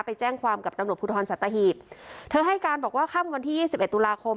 ไปแจ้งความกับตำหนดพุทธธรรมสัตว์ตะหีบเธอให้การบอกว่าข้ามวันที่ยี่สิบเอ็ดตุลาคม